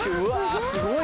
すごい！